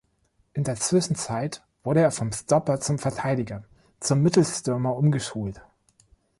In der Zwischenzeit wurde er vom „Stopper“, also Verteidiger, zum Mittelstürmer „umgeschult“.